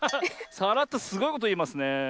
さらっとすごいこといいますねえ。